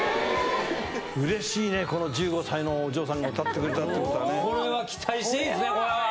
うれしいね、この１５歳のお嬢さんが歌ってくれたっていうことはこれは期待していいですね、これは。